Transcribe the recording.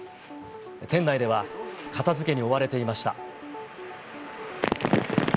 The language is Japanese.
店内では、片づけに追われていました。